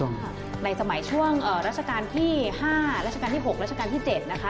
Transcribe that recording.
ค่ะในสมัยช่วงราชการที่๕รัชกาลที่๖รัชกาลที่๗นะคะ